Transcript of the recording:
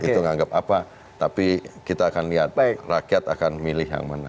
itu menganggap apa tapi kita akan lihat rakyat akan milih yang mana